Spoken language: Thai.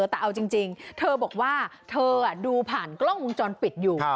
แต่เอาจริงเธอบอกว่าเธอดูผ่านกล้องวงจรปิดอยู่